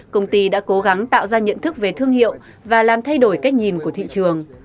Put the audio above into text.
công ty đã cố gắng tạo ra nhận thức về thương hiệu và làm thay đổi cách nhìn của thị trường